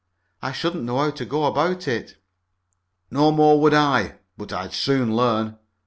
"I shouldn't know how to go about it." "No more would I, but I'd soon learn.